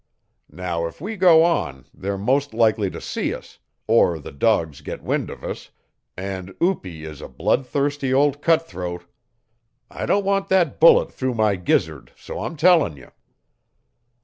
Now if we go on they're most likely to see us, or their dogs get wind of us and Upi is a bloodthirsty old cutthroat. I don't want that bullet through my gizzard, so I'm tellin' you."